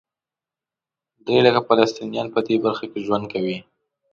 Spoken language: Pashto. درې لکه فلسطینیان په دې برخه کې ژوند کوي.